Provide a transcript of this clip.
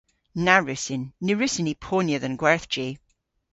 Na wrussyn. Ny wrussyn ni ponya dhe'n gwerthji.